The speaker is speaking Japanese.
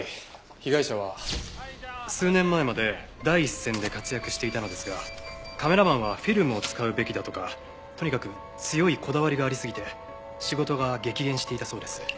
被害者は数年前まで第一線で活躍していたのですがカメラマンはフィルムを使うべきだとかとにかく強いこだわりがありすぎて仕事が激減していたそうです。